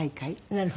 なるほど。